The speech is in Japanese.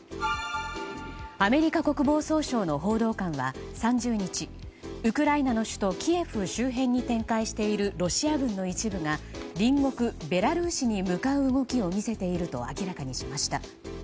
アメリカ国防総省の報道官は３０日ウクライナの首都キエフ周辺に展開しているロシア軍の一部が隣国ベラルーシに向かう動きを見せていると明らかにしました。